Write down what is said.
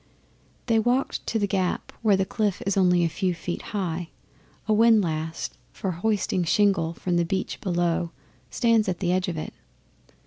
They walked to The Gap, where the cliff is only a few feet high. A windlass for hoisting shingle from the beach below stands at the edge of it.